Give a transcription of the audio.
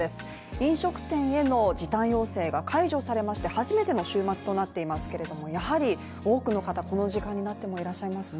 飲食店への時短要請が解除されまして初めての週末となっていますけれども、やはり多くの方この時間になってもいらっしゃいますね